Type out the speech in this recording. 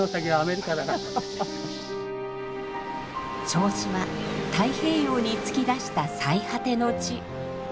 銚子は太平洋に突き出した最果ての地。